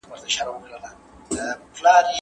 زه اوس واښه راوړم!